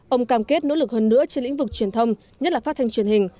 ông cam kết nỗ lực hơn nữa trên lĩnh vực truyền thông nhất là phát thanh truyền hình